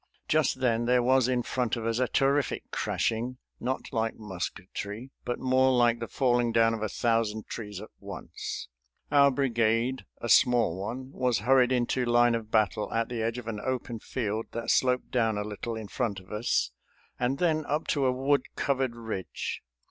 Just then there was in front of us a terrific crashing, not like musketry, but more like the falling down of a thousand trees at once. Our brigade, a small one, was hurried into line of battle at the edge of an open field that sloped down a little in front of us and then up to a wood covered ridge.